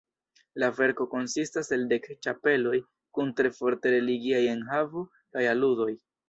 La verko konsistas el dek ĉapeloj kun tre forte religiaj enhavo kaj aludoj.